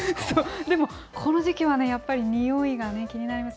でも、この時期はね、やっぱり臭いがね、気になります。